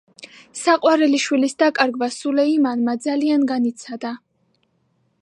საყვარელი შვილის დაკარგვა სულეიმანმა ძალიან განიცადა.